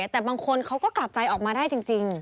แต่บางคนเขาก็กลับใจออกมาได้จริง